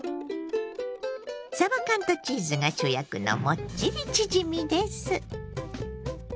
さば缶とチーズが主役のもっちりチヂミです。